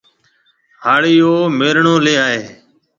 ھاݪِي ھوميݪيو ليَ آئيَ ھيََََ